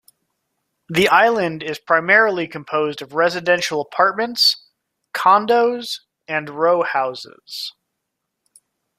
The island is primarily composed of residential apartments, condos and row houses.